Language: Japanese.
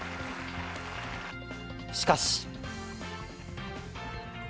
しかし。